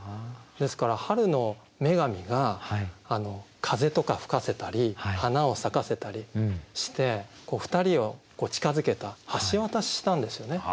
ですから春の女神が風とか吹かせたり花を咲かせたりして２人を近づけた橋渡ししたんですよね。